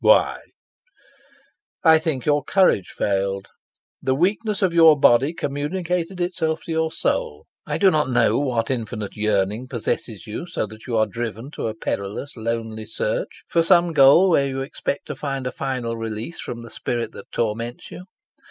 "Why?" "I think your courage failed. The weakness of your body communicated itself to your soul. I do not know what infinite yearning possesses you, so that you are driven to a perilous, lonely search for some goal where you expect to find a final release from the spirit that torments you.